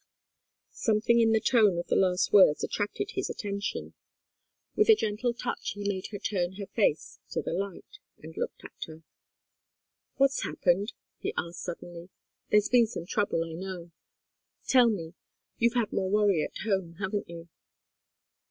Something in the tone of the last words attracted his attention. With a gentle touch he made her turn her face to the light, and looked at her. "What's happened?" he asked, suddenly. "There's been some trouble, I know. Tell me you've had more worry at home, haven't you?"